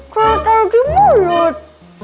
taruh taruh di mulut